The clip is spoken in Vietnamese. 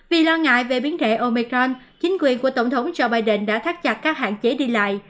vì lo ngại về biến thể omecron chính quyền của tổng thống joe biden đã thắt chặt các hạn chế đi lại